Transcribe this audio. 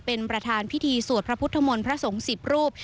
เป็นประธานพิธีสวดพระพุทธมนต์พระสงฆ์๑๐รูป